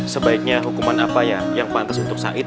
sebaiknya hukuman apanya yang pantas untuk said